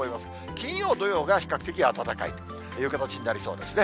金曜、土曜が比較的暖かいという形になりそうですね。